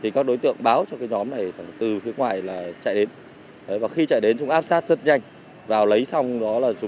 có đối tượng thì sẽ đóng vai trò làm xe ôm để lôi kéo